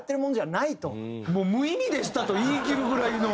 もう「無意味でした」と言いきるぐらいのあの回答。